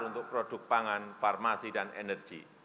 untuk produk pangan farmasi dan energi